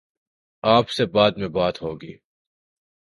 آپ سے بعد میں بات ہو گی۔